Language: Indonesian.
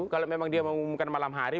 kalau memang dia mengumumkan malam hari